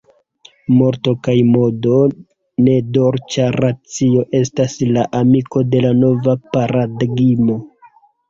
Morto kaj modo, ne dolĉa racio, estas la amiko de la nova paradigmo.